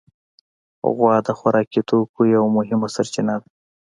غوا د خوراکي توکو یوه مهمه سرچینه ده.